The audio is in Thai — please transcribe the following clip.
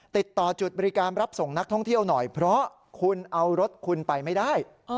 ติดต่อจุดบริการรับส่งนักท่องเที่ยวหน่อยเพราะคุณเอารถคุณไปไม่ได้